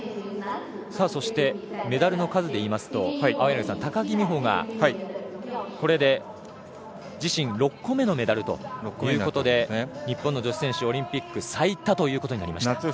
そしてメダルの数でいいますと高木美帆がこれで自身６個目のメダルで日本の女子選手、オリンピック最多ということになりました。